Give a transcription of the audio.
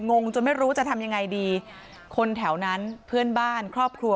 งงจนไม่รู้จะทำยังไงดีคนแถวนั้นเพื่อนบ้านครอบครัว